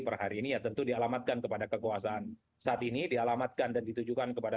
per hari ini ya tentu dialamatkan kepada kekuasaan saat ini dialamatkan dan ditujukan kepada